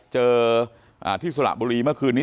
เจอที่สระบุรีเมื่อคืนนี้